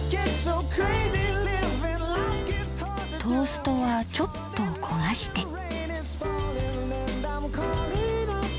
トーストはちょっと焦がして。